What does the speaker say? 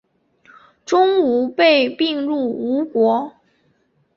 钟吾被并入吴国。